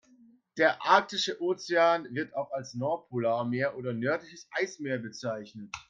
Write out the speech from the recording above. Der Arktische Ozean, wird auch als Nordpolarmeer oder nördliches Eismeer bezeichnet.